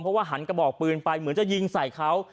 เพราะว่าหันกระบอกปืนไปเหมือนจะยิงใส่เขา